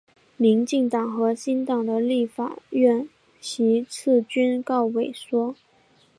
民进党和新党的立法院席次均告萎缩。